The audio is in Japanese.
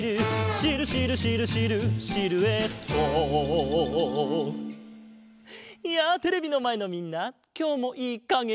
「シルシルシルシルシルエット」やあテレビのまえのみんなきょうもいいかげしてるか？